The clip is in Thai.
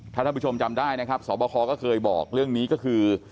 ถ้าท่านผู้ชมจำได้นะครับสอบคอก็เคยบอกเรื่องนี้ก็คือ